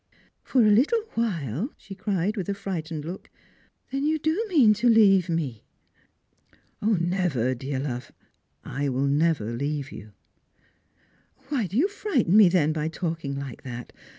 " For a Little while !" she cried, with a frightened look " Then you do mean to leave me !"" Never, dear love. I will never leave you." " Why do you frighten me, then, by talking like that?